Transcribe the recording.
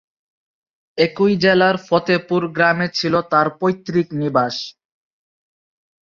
একই জেলার ফতেপুর গ্রামে ছিল তাঁর পৈতৃক নিবাস।